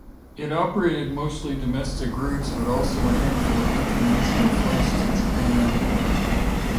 It operated mostly domestic routes but also a handful of international flights to Japan.